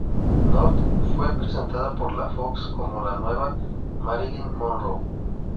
North fue presentada por la Fox como la nueva "Marilyn Monroe".